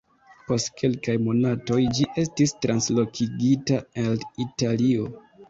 Post kelkaj monatoj, ĝi estis translokigita al Italio.